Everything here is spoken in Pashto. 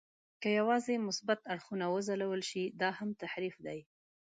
که یوازې مثبت اړخونه وځلول شي، دا هم تحریف دی.